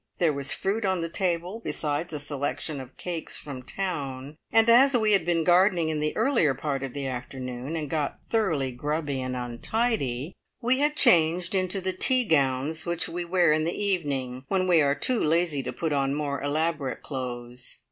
There was fruit on the table, besides a selection of cakes from town, and as we had been gardening in the earlier part of the afternoon, and got thoroughly grubby and untidy, we had changed into the tea gowns which we wear in the evening when we are too lazy to put on more elaborate clothes.